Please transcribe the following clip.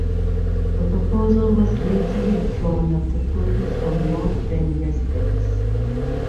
The proposal was later withdrawn after protests from North Bend residents.